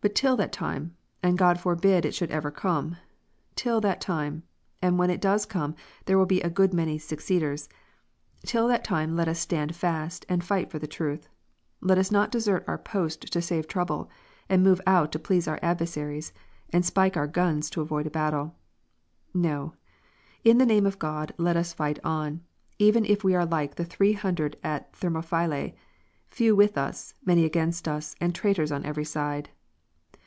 But till that time, and God forbid it should ever come : till that time, and when it does come, there will be a good many seceders : till that time let us stand fast, and fight for the truth. Let us not desert our post to save trouble, and move out to please our adversaries, and spike our guns to avoid a battle. Xo ! in the name of God, let us fight on, even if we are like the 300 at Thermopylae, few with us, many against us, and traitors on every side.